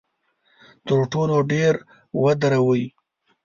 تر ټولو ډیر ودردوي.